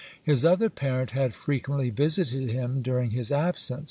His other parent had frequently visited him during his absence.